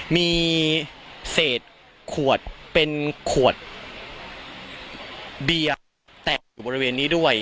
มีเศษขวดเป็นขวดเบียร์แตกอยู่บริเวณนี้ด้วย